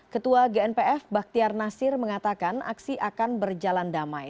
ketua gnpf baktiar nasir mengatakan aksi akan berjalan damai